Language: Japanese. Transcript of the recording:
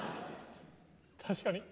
確かに。